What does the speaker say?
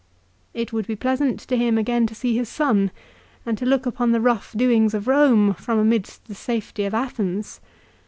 It would be pleasant to him again to see his son, and to look upon the rough doings of Eome from amidst the safety of Athens.